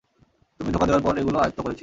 তুমি ধোঁকা দেওয়ার পর এগুলো আয়ত্ত করেছি।